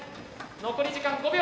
残り時間５秒。